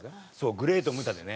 グレート・ムタでね。